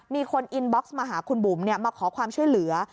มีคนอินบ็อกซ์มาหาคุณบุ๋มมาขอความช่วยเหลือ